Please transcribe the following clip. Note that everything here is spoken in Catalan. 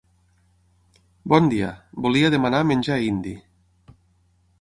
Bon dia, volia demanar menjar indi.